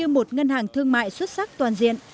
bidv là một ngân hàng thương mại xuất sắc toàn diện